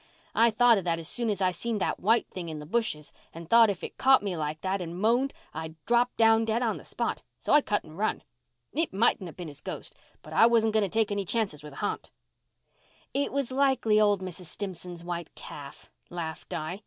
I thought of that as soon as I seen that white thing in the bushes and thought if it caught me like that and moaned I'd drop down dead on the spot. So I cut and run. It mightn't have been his ghost, but I wasn't going to take any chances with a ha'nt." "It was likely old Mrs. Stimson's white calf," laughed Di.